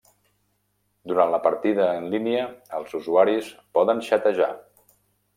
Durant la partida en línia els usuaris poden xatejar.